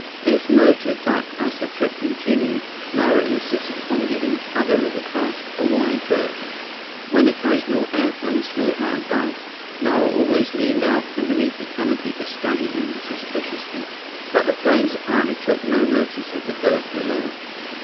Biff noted that as the trip continued, Nara insisted upon giving other river craft a wide berth. When occasional airplanes flew high above, Nara always leaned out from beneath the canopy to study them suspiciously, but the planes apparently took no notice of the boat below.